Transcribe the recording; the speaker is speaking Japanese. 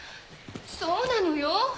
そうなのよ！